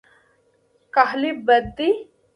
کاهلي بد دی.